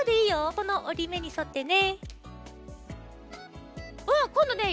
このおりめにそってね。